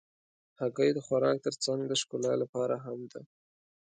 هګۍ د خوراک تر څنګ د ښکلا لپاره هم ده.